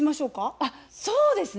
あっそうですね。